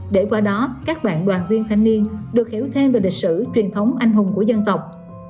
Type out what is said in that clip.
để qua đó các bạn đoàn viên thanh niên được hiểu thêm về lịch sử truyền thống anh hùng của dân tộc